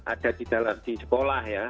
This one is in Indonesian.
ada di dalam di sekolah ya